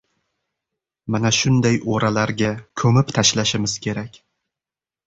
mana shunday o‘ralarga... ko‘mib tashlashimiz kerak.